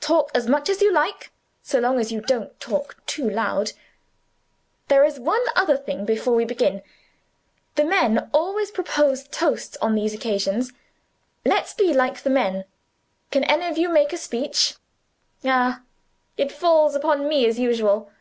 Talk as much as you like, so long as you don't talk too loud. There is one other thing before we begin. The men always propose toasts on these occasions; let's be like the men. Can any of you make a speech? Ah, it falls on me as usual.